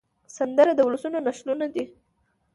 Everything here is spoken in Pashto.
سندره د ولسونو نښلونه ده